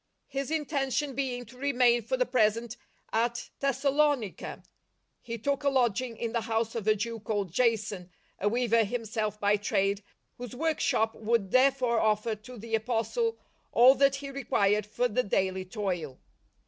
His inteii : tion being to remain for the present at Thessa lonica, he took a lodging in the house of a Jew called Jason, a weaver himself by trade, whose workshop w'ould therefore offer to the Apostle ail that he required for the daily toil.